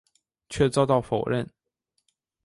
却遭到否认。